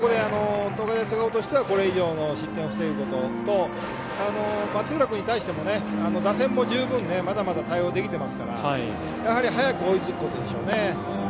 ここで、東海大菅生としてはこれ以上の失点を防ぐことと松浦君に対して打線もまだまだ十分に対応できていますから早く追いつくことですね。